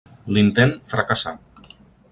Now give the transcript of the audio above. L'intent fracassà.